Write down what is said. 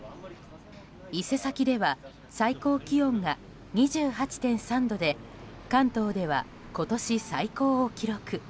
伊勢崎では最高気温が２８．３度で関東では今年最高を記録。